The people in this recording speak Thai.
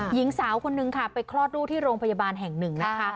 หญิงสาวคนนึงค่ะไปคลอดลูกที่โรงพยาบาลแห่งหนึ่งนะคะ